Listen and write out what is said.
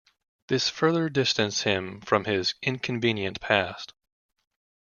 This further distanced him from his inconvenient past.